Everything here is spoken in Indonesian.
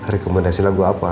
rekomendasi lagu apa